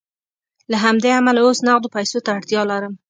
له همدې امله اوس نغدو پیسو ته اړتیا لرم